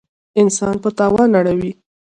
انسان په تاوان اړوي.